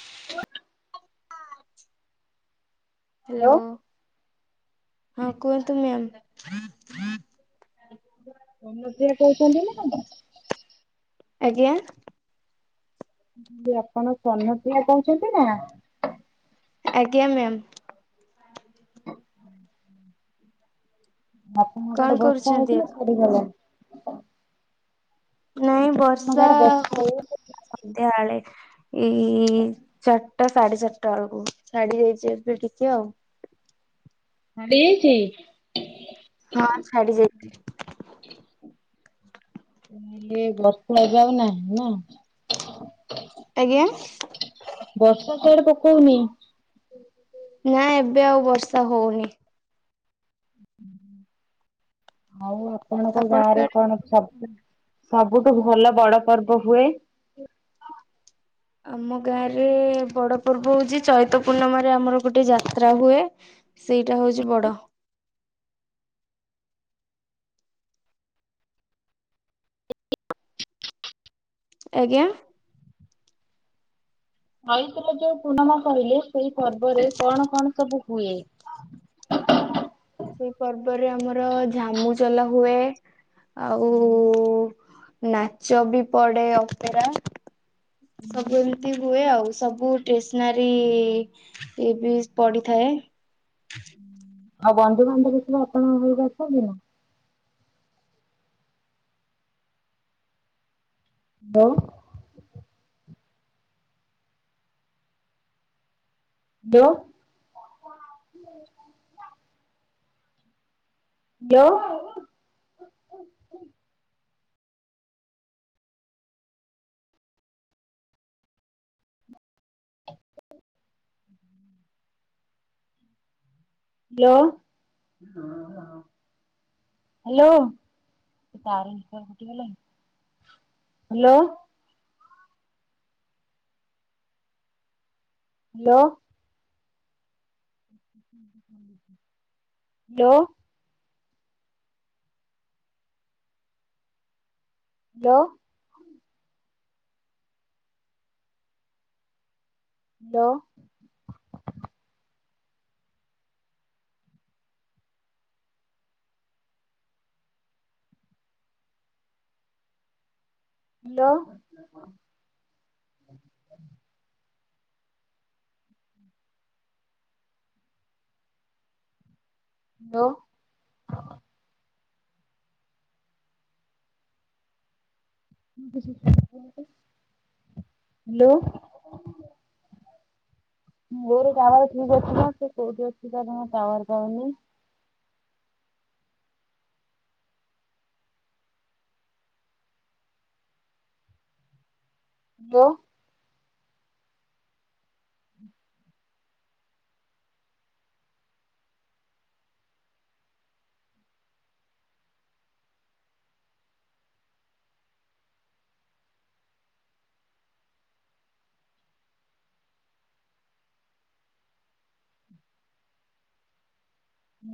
ହ [inaudible] ହ୍ୟାଲୋ। ହଁ କୁହନ୍ତୁ ମ୍ୟାମ୍। ସ୍ୱର୍ଣ୍ଣପ୍ରିୟା କହୁଛନ୍ତି ନା କଣ? ଆଜ୍ଞା। କହିଲି ଆପଣ ସ୍ୱର୍ଣ୍ଣପିୟା କହୁଛନ୍ତି ନା? ଆଜ୍ଞା ମ୍ୟାମ୍। ଆପଣଙ୍କ କଣ ଆଡେ ବର୍ଷା କରୁଛନ୍ତି? ହଉଥିଲା ଛାଡ଼ିଗଲା। ନାଇଁ ଆପଣଙ୍କ ବର୍ଷା ଆଡେ ବର୍ଷା ହଉଥିଲା ସନ୍ଧ୍ୟାଆଳେ। ଇଁ ଚାରିଟା ସାଢେ ଚାରିଟା ବେଳକୁ ଛାଡି ଯାଇଛି ଏବେ ଟିକେ ଆଉ। ଛାଡ଼ିଯାଇଚି? ହଁ ଛାଡି ଯାଇଛି। ହେଲେ ବର୍ଷା ଏବେ ଆଉ ନାହିଁ ନା। ଆଜ୍ଞା? ବର୍ଷା ସିଆଡେ ପକଉନି? ନାଇ ଏବେ ଆଉ ବର୍ଷା ହଉନି। ଆଉ ଆପଣଙ୍କ ଗାଁ ରେ କଣ ସବ ସବୁଠୁ ଭଲ ବଡ ପର୍ବ ହୁଏ? ଆମ ଗାଁରେ ବଡ଼ ପର୍ବ ହଉଛି ଚୈତ ପୂର୍ଣ୍ଣିମାରେ ଆମର ଗୋଟେ ଯାତ୍ରା ହୁଏ। ସେଇଟା ହଉଛି ବଡ଼। ଆଜ୍ଞା। ଚୈତରେ ଯୋଉ ପୂର୍ଣମା କହିଲୁ ସେଇ ପର୍ବରେ କଣ କଣ ସବୁ ହୁଏ? ସେଇ ପର୍ବରେ ଆମର ଝାମୁଚଲ ହୁଏ। ଆଉ ନାଚ ବି ପଡେ ଅପେରା। ସବୁ ଏମିତି ହୁଏ ଆଉ ସବୁ ଟେସ୍ନାରୀ ଏ ବି ପଡିିଥାଏ। ହଉ ବନ୍ଧୁବାନ୍ଧବ କିଏ ଆପଣଙ୍କ ଘରକୁ ଅସନ୍ତି ନା? ହ୍ୟାଲୋ। ହ୍ୟାଲୋ। ଲୋ ହ୍ୟାଲୋ। ତା ତାର ନେଟୱର୍କ କଟିଗଲା କି? ହ୍ୟାଲୋ। ଲୋ ଲୋ ଲୋ ଡ ଲୋ ଡ ଲୋ ମୋର ଟାୱାର ଠିକ ଅଛି ମ ସେ କୋଉଠି ଅଛି ତାର ଜମା ଟାୱାର ପାଉନି। ଲୋ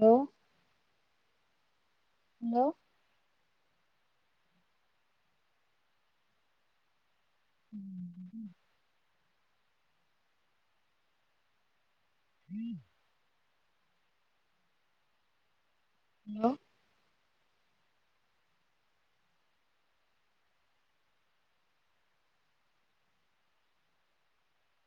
ଲୋ ହାଲୋ [inaudible] [inaudible] ଲୋ